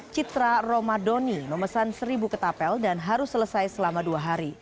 citra romadoni memesan seribu ketapel dan harus selesai selama dua hari